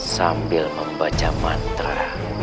sambil membaca mantra